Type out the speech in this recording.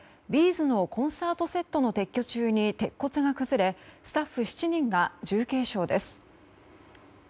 ’ｚのコンサートセットの撤去中に鉄骨が崩れスタッフ７人が重軽傷です。